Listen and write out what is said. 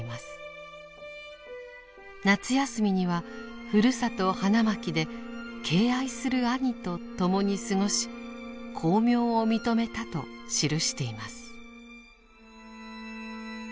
夏休みにはふるさと花巻で「敬愛する兄」と共に過ごし「光明」を認めたと記しています。